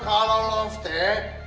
kalau love neng